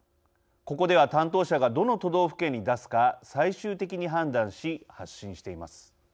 ここでは担当者がどの都道府県に出すか最終的に判断し発信しています。